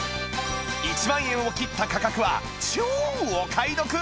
１万円を切った価格は超お買い得